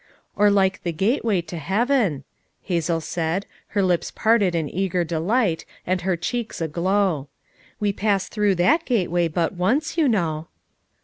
'' "Or like the gateway to heaven," Hazel said her lips parted in eager delight, and her cheeks aglow. "We pass through that gateway but once, you know."